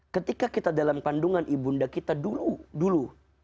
ketika kita dalam kandungan ibunda kita dulu